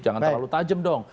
jangan terlalu tajam dong